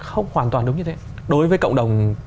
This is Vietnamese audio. không hoàn toàn đúng như thế đối với cộng đồng